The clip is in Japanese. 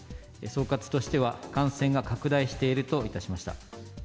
総括としては、感染が拡大していると致しました。